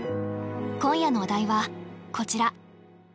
今夜のお題はこちら。